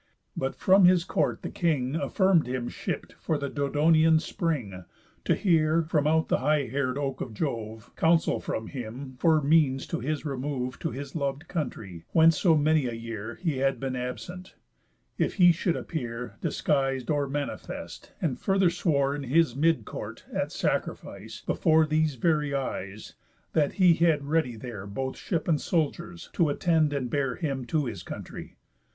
But from his court the king Affirm'd him shipp'd for the Dodonean spring, To hear, from out the high hair'd oak of Jove, Counsel from him for means to his remove To his lov'd country, whence so many a year He had been absent; if he should appear Disguis'd, or manifest; and further swore In his mid court, at sacrifice, before These very eyes, that he had ready there Both ship and soldiers, to attend and bear Him to his country.